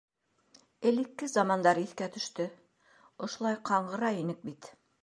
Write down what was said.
Элекке замандар иҫкә төштө: ошолай ҡаңғыра инек бит.